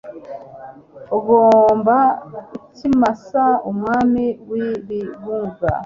Ugomba ikimasa umwami w ibibuga